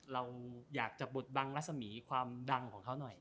เราอยากจะบดบังรัศมีความดังของเขาหน่อย